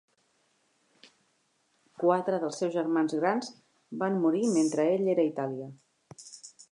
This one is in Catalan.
Quatre dels seus germans grans van morir mentre ell era a Itàlia.